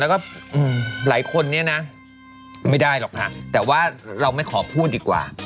แล้วก็หลายคนเนี่ยนะไม่ได้หรอกค่ะแต่ว่าเราไม่ขอพูดดีกว่า